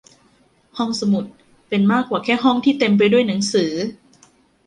ห้องสมุดเป็นมากกว่าแค่ห้องที่เต็มไปด้วยหนังสือ